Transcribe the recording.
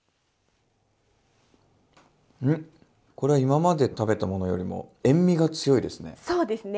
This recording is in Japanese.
うんこれは今まで食べたものよりも塩味が強いですね。